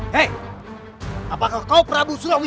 ya baik gusti